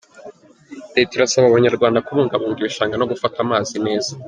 Leta irasaba Abanyarwanda kubungabunga ibishanga no gufata amazi neza